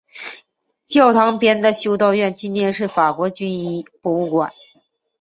教堂边的修道院今天是法国军医博物馆。